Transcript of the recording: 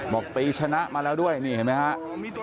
บอกตีชนะมาแล้วด้วยนี่เห็นไหมครับ